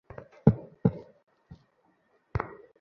সকল কাজেই এখন সে তার মাতার দক্ষিণপার্শ্বে আসিয়া দাঁড়াইল।